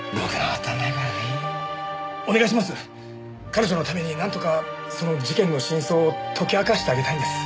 彼女のためになんとかその事件の真相を解き明かしてあげたいんです。